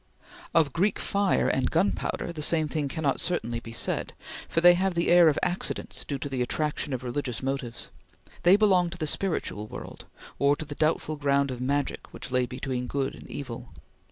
Of Greek fire and gunpowder, the same thing cannot certainly be said, for they have the air of accidents due to the attraction of religious motives. They belong to the spiritual world; or to the doubtful ground of Magic which lay between Good and Evil.